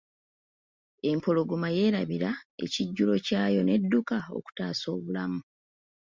Empologoma yerabira ekijjulo kyayo n'edduka okutaasa obulamu.